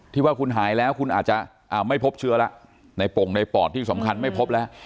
ว่าคุณหายแล้วคุณอาจจะไม่พบเชื้อแล้วในปงในปอดที่สำคัญไม่พบแล้ว